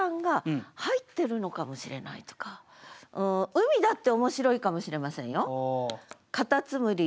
「海」だって面白いかもしれませんよ。